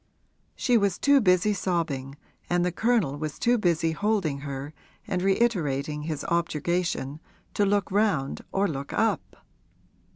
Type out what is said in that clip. She was too busy sobbing and the Colonel was too busy holding her and reiterating his objurgation, to look round or look up.